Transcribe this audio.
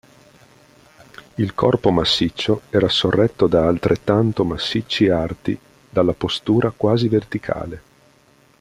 Il corpo massiccio era sorretto da altrettanto massicci arti, dalla postura quasi verticale.